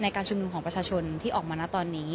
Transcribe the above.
การชุมนุมของประชาชนที่ออกมานะตอนนี้